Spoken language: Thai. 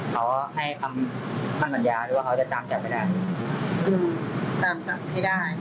เค้าจะจำจักได้